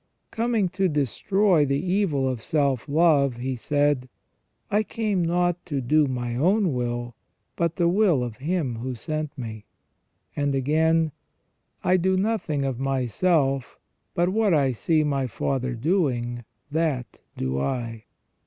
Coming to destroy the evil of self love^ He said :" I came not to do my own will, but the will of Him who sent me ". And again :" I do nothing of myself, but what I see my Father doing, that do I".